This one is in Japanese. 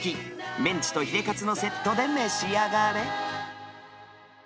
メンチとヒレカツのセットで召し上がれ。